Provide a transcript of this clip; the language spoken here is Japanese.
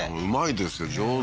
うまいですよ